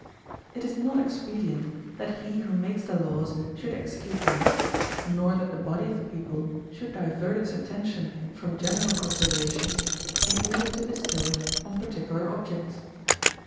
It is not expedient that he who makes the laws should execute them, nor that the body of the people should divert its attention from general considerations in order to bestow it on particular objects.